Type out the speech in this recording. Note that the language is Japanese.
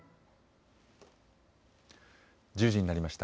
１０時になりました。